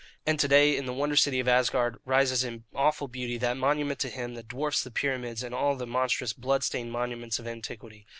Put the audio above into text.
And to day, in the wonder city of Asgard, rises in awful beauty that monument to him that dwarfs the pyramids and all the monstrous blood stained monuments of antiquity.